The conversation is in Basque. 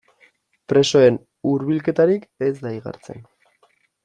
Presoen hurbilketarik ez da igartzen.